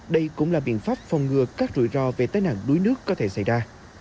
đây cũng là biện pháp phòng ngừa các rủi ro về tai nạn đuối nước có thể xảy ra